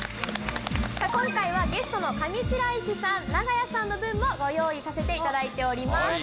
今回はゲストの上白石さん長屋さんの分もご用意させていただいています。